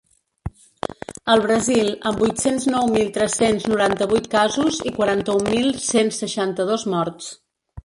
El Brasil, amb vuit-cents nou mil tres-cents noranta-vuit casos i quaranta-un mil cent seixanta-dos morts.